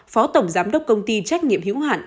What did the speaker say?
phó tổng giám đốc công ty trách nhiệm hữu hạn